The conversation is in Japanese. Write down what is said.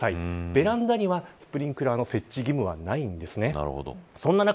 ベランダにはスプリンクラーの設置義務はないんです。